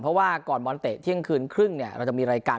เพราะว่าก่อนบอลเตะเที่ยงคืนครึ่งเนี่ยเราจะมีรายการ